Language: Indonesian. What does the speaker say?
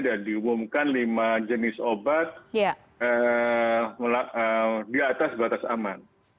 dan diumumkan lima jenis obat di atas batas aman